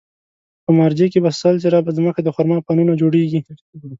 په مارجې کې په سل جریبه ځمکه د خرما پڼونه جوړېږي.